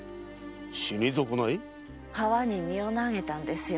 川に身を投げたんですよ。